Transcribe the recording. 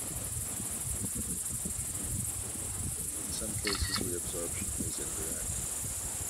In some cases, reabsorption is indirect.